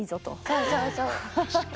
そうそうそう。